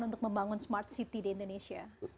untuk membangun smart city di indonesia